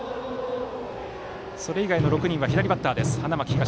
それ以外の６人は左バッターの花巻東。